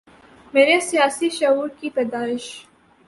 میرے سیاسی شعور کی پیدائش